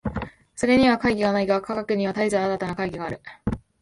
それには懐疑がないが、科学には絶えず新たな懐疑がある。